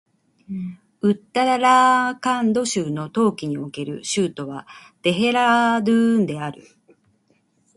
ウッタラーカンド州の冬季における州都はデヘラードゥーンである